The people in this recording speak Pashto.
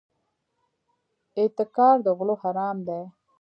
احتکار د غلو حرام دی.